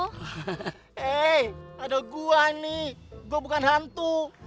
hei ada gua ini gue bukan hantu